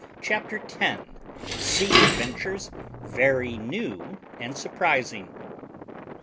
CHAPTER TEN SEA ADVENTURES VERY NEW AND SURPRISING.